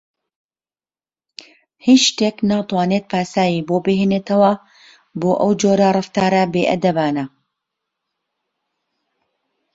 هیچ شتێک ناتوانێت پاساوی بۆ بهێنێتەوە بۆ ئەو جۆرە ڕەفتارە بێئەدەبانە.